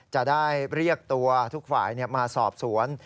จะได้เรียกตัวทุกฝ่ายมาสอบสวน